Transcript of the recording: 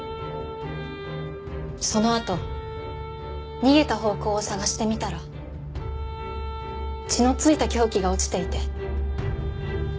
そのあと逃げた方向を捜してみたら血の付いた凶器が落ちていて。